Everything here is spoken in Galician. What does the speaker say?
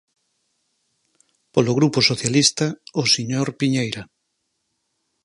Polo Grupo Socialista, o señor Piñeira.